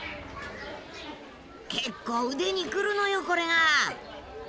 結構腕にくるのよこれが。